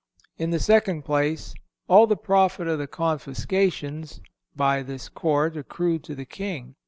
"In the second place, all the profit of the confiscations by this court accrued to the King.